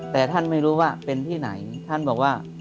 แต่ท่านไม่รู้ว่าเป็นที่ไหนท่านบอกว่า